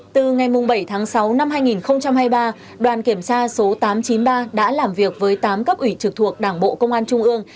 từ ngày bảy tháng sáu năm hai nghìn hai mươi ba đoàn kiểm tra số tám trăm chín mươi ba đã làm việc với tám cấp ủy trực thuộc đảng bộ công an trung ương